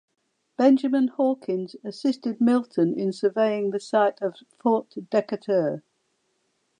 Benjamin Hawkins assisted Milton in surveying the site of Fort Decatur.